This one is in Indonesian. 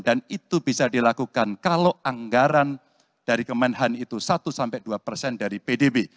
dan itu bisa dilakukan kalau anggaran dari kemenhan itu satu dua dari pdb